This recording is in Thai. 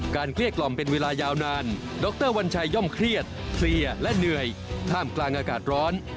เกลี้ยกล่อมเป็นเวลายาวนานดรวัญชัยย่อมเครียดเคลียร์และเหนื่อยท่ามกลางอากาศร้อน